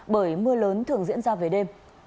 bởi mưa lớn thường diễn ra về đêm